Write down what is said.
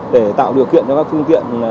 để tạo điều kiện cho các phương tiện